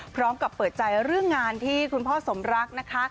พร้อมกับเปิดใจเรื่องงานที่คุณพ่อสมรักนะคะ